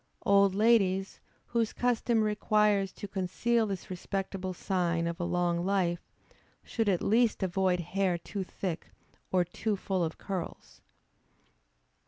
Old ladies, whom custom requires to conceal this respectable sign of a long life, should at least avoid hair too thick or too full of curls.